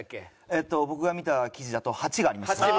えっと僕が見た記事だと８がありましたね。